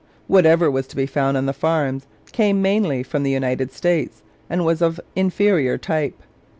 Whatever was to be found on the farms came mainly from the United States and was of inferior type.